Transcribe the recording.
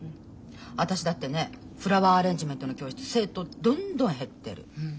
私だってねフラワーアレンジメントの教室生徒どんどん減ってる。